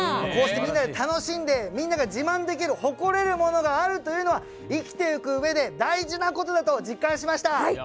みんなが楽しんで自慢できる誇れるものがあるというのは生きていくうえで大事なことだと実感しました。